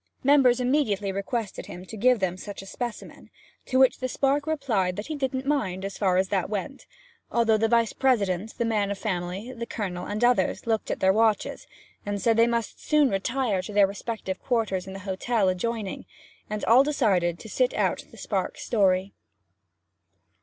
Members immediately requested him to give them a specimen, to which the Spark replied that he didn't mind, as far as that went. And though the Vice President, the Man of Family, the Colonel, and others, looked at their watches, and said they must soon retire to their respective quarters in the hotel adjoining, they all decided to sit out the Spark's story.